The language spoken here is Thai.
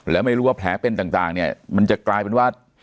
แล้วไม่รู้ว่าแผลเป็นต่างเนี่ยมันจะกลายเป็นว่า